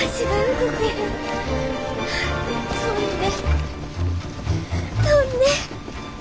飛んで飛んで。